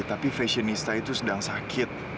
tapi fashionista itu sedang sakit